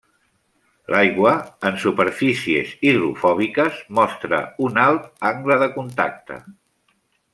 L'aigua en superfícies hidrofòbiques mostren un alt angle de contacte.